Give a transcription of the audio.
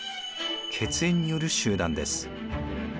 血縁による集団です。